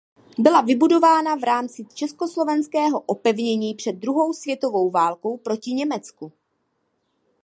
Tvrz byla vybudována v rámci československého opevnění před druhou světovou válkou proti Německu.